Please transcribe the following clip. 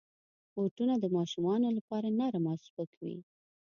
بوټونه د ماشومانو لپاره نرم او سپک وي.